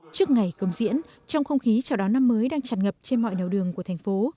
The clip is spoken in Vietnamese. trước ngày cơm diễn trong không khí chào đón năm mới đang chặt ngập trên mọi nèo đường của thành phố